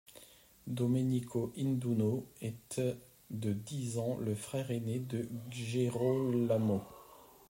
Domenico Induno est de dix ans le frère aîné de Gerolamo.